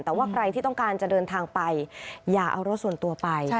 แต่ว่าใครที่ต้องการจะเดินทางไปอย่าเอารถส่วนตัวไป